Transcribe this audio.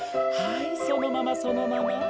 はいそのままそのまま。